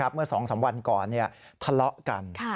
เมื่อสองสามวันก่อนทะเลาะกัน